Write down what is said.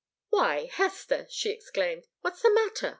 "Why, Hester!" she exclaimed. "What's the matter?